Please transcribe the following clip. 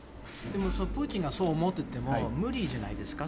でもプーチンがそう思ってても無理じゃないですか。